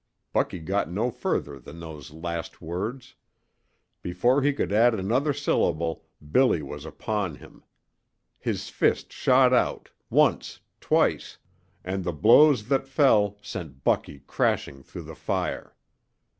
Bucky got no further than those last words. Before he could add another syllable Billy was upon him. His fist shot out once, twice and the blows that fell sent Bucky crashing through the fire.